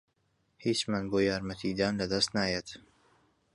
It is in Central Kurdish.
هیچمان بۆ یارمەتیدان لەدەست نایەت.